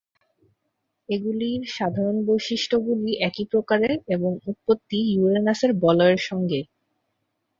এগুলির সাধারণ বৈশিষ্ট্যগুলি একই প্রকারের এবং উৎপত্তি ইউরেনাসের বলয়ের সঙ্গেই।